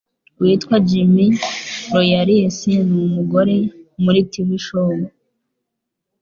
uwitwa Jim Royals numugore Muri Tv Show